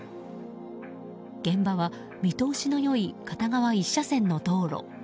現場は、見通しの良い片側１車線の道路。